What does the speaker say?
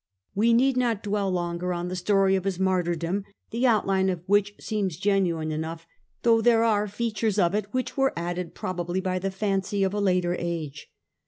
We need not dwell longer on the story of his martyrdom, the outline of which seems genuine enough, though there are features of it which were added probably by the fancy of a later age.